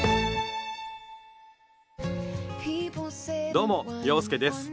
どうも洋輔です。